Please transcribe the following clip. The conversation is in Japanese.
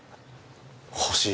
欲しい。